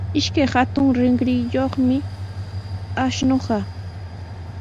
Ishkay hatun rinriyuqmi ashnuqa.